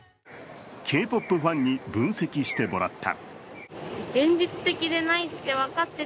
Ｋ−ＰＯＰファンに分析してもらった。